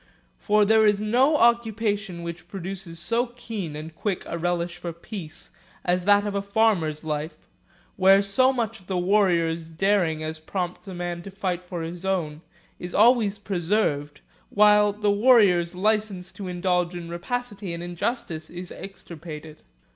For there is no other occupation which produces so keen and quick a relish for peace as that of a farmer's life, where so much of the warrior's daring as prompts a man to fight for his own, is always preserved, while the warrior's licence to in dulge in rapacity and injustice is extirpated.